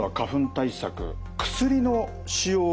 対策